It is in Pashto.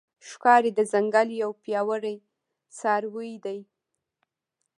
ښکاري د ځنګل یو پیاوړی څاروی دی.